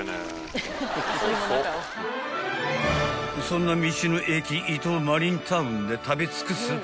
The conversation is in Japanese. ［そんな道の駅伊東マリンタウンで食べ尽くす飲食店は５店舗］